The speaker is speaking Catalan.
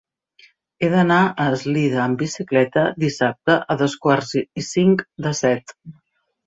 He d'anar a Eslida amb bicicleta dissabte a dos quarts i cinc de set.